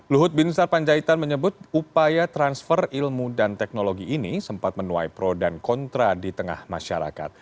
luhut bin sarpanjaitan menyebut upaya transfer ilmu dan teknologi ini sempat menuai pro dan kontra di tengah masyarakat